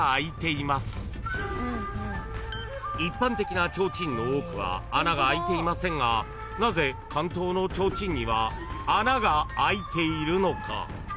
［一般的な提灯の多くは穴があいていませんがなぜ竿燈の提灯には穴があいているのか？］